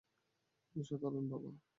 অসাধারণ, বাবা!